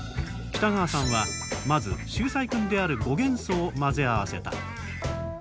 北川さんはまず秀才くんである５元素を混ぜ合わせた。